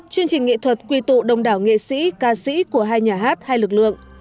chương trình nghệ thuật quy tụ đồng đảo nghệ sĩ ca sĩ của hai nhà hát hai lực lượng